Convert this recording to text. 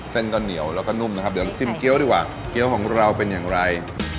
เส้นก็เหนียวแล้วก็นุ่มนะครับเดี๋ยวจิ้มเกี้ยวดีกว่าเกี้ยวของเราเป็นอย่างไร